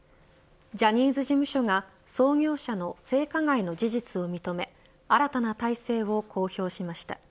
ジャニーズ事務所が創業者の性加害の事実を認め新たな体制を公表しました。